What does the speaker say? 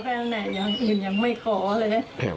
อย่างอื่นยังไม่ขอเลย